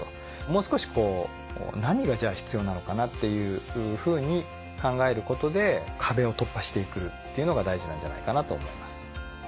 もう少しこう何が必要なのかなっていうふうに考えることで壁を突破して行くっていうのが大事なんじゃないかなと思います。